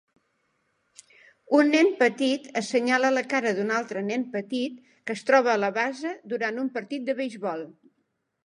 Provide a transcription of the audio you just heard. Un nen petit assenyala la cara d'un altre nen petit que es troba a la base durant un partit de beisbol.